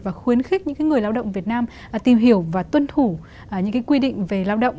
và khuyến khích những người lao động việt nam tìm hiểu và tuân thủ những quy định về lao động